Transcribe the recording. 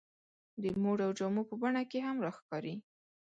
د موډ او جامو په بڼه کې هم راښکاري.